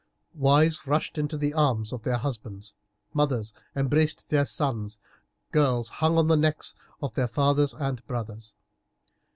Wives rushed into the arms of husbands, mothers embraced their sons, girls hung on the necks of their fathers and brothers.